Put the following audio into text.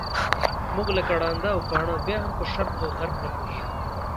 موږ لکه ړانده او کاڼه بیا هم په شرق او غرب نه پوهېدو.